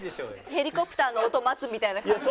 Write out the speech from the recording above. ヘリコプターの音を待つみたいな感じで。